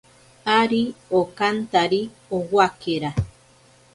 Ari okantari owakera.